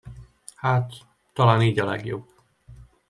Hát, talán így a legjobb.